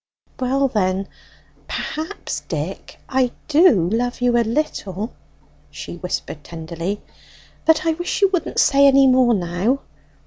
"Well then, perhaps, Dick, I do love you a little," she whispered tenderly; "but I wish you wouldn't say any more now."